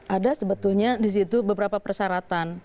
ada sebetulnya disitu beberapa persyaratan